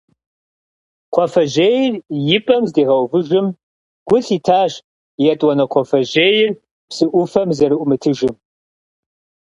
Кхъуафэжьейр и пӀэм здигъэувыжым, гу лъитащ етӀуанэ кхъуафэжьейр псы Ӏуфэм зэрыӀумытыжым.